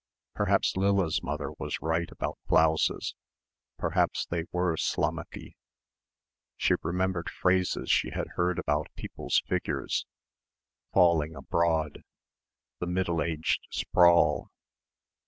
Perhaps Lilla's mother was right about blouses ... perhaps they were "slommucky." She remembered phrases she had heard about people's figures ... "falling abroad" ... "the middle aged sprawl"